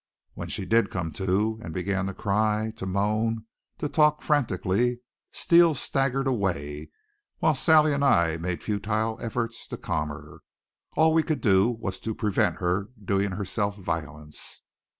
When she did come to, and began to cry, to moan, to talk frantically, Steele staggered away, while Sally and I made futile efforts to calm her. All we could do was to prevent her doing herself violence.